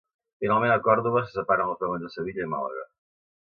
Finalment a Còrdova se separen els vagons de Sevilla i Màlaga.